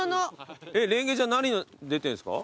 蓮華ちゃん何出てるんですか？